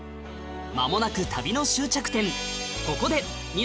間もなく旅の終着点